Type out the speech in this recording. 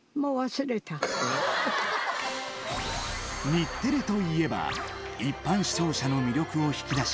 日テレといえば一般視聴者の魅力を引き出し